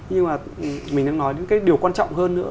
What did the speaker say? nhưng mà mình đang nói đến cái điều quan trọng hơn nữa